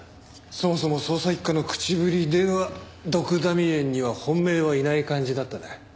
そもそも捜査一課の口ぶりではドクダミ園には本命はいない感じだったな。